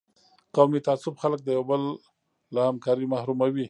قومي تعصب خلک د یو بل له همکارۍ محروموي.